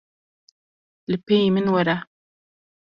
Li pêyî min were.